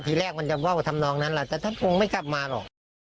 ทีแรกจะว่าถ้ามนอนก็ไม่กลับมาหรอก